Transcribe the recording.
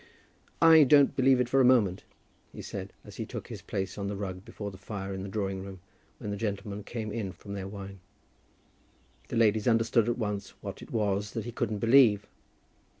"I don't believe it for a moment," he said, as he took his place on the rug before the fire in the drawing room when the gentlemen came in from their wine. The ladies understood at once what it was that he couldn't believe.